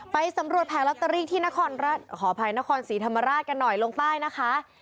ไปสำรวจแผงลอตเตอรี่ที่ขออภัยนครศรีธรรมราชกันหน่อยลงใต้นะคะ